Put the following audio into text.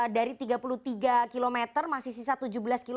dari tiga puluh tiga km masih sisa tujuh belas km